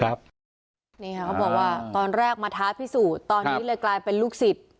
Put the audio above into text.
นี่ค่ะเขาบอกว่าตอนแรกมาท้าพิสูจน์ตอนนี้เลยกลายเป็นลูกศิษย์